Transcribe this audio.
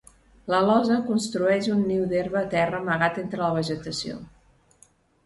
L'alosa construeix un niu d'herba a terra amagat entre la vegetació.